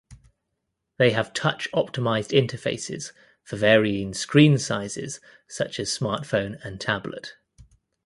They have touch optimised interfaces for varying screen sizes such as smartphone and tablet.